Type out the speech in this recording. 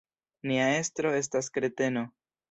Nia estro estas kreteno.